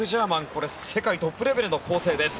これ、世界トップレベルの構成です。